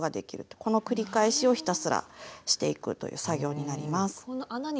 この繰り返しをひたすらしていくという作業になります。